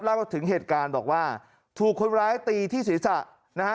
ถึงเหตุการณ์บอกว่าถูกคนร้ายตีที่ศีรษะนะฮะ